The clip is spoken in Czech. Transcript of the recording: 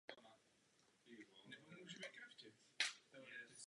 S oběma kluby získal řadu domácích trofejí.